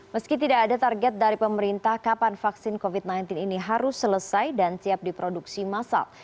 meski tidak ada target dari pemerintah kapan vaksin covid sembilan belas ini harus selesai dan siap diproduksi masal